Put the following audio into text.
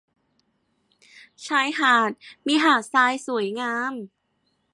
ชายหาดมีหาดทรายสวยงาม